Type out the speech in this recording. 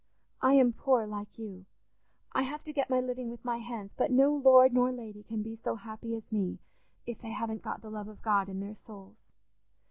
I am poor, like you: I have to get my living with my hands; but no lord nor lady can be so happy as me, if they haven't got the love of God in their souls.